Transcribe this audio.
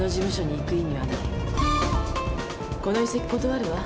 この移籍断るわ。